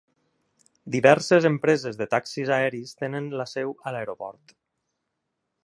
Diverses empreses de taxis aeris tenen la seu a l'aeroport.